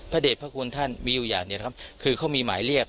พระเด็จพระคุณท่านวิอยาณคือเขามีหมายเรียก